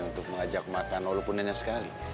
untuk mengajak makan walaupun enak sekali